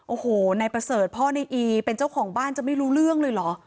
โอ้โหนายประเสริฐพ่อในอีเป็นเจ้าของบ้านจะไม่รู้เรื่องเลยเหรอ